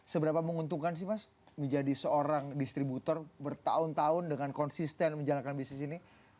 seberapa menguntungkan sih mas menjadi seorang distributor bertahun tahun dengan konsisten menjalankan bisnis ini